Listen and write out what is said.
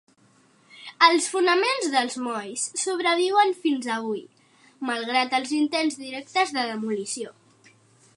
Els fonaments dels molls sobreviuen fins avui, malgrat els intents directes de demolició.